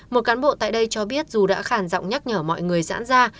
một cán bộ tại đây cho biết dù đã khản rộng nhắc nhở mọi người dãn ra